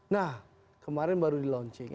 nah kemarin baru di launching